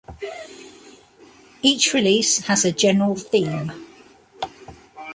Each release has a general theme.